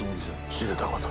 知れたこと。